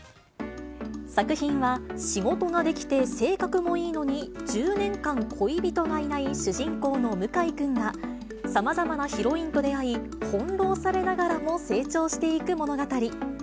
作品は仕事ができて、性格もいいのに、１０年間恋人がいない主人公の向井君が、さまざまなヒロインと出会い、翻弄されながらも成長していく物語。